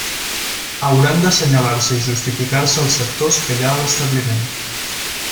Hauran d'assenyalar-se i justificar-se els sectors que hi ha a l'establiment.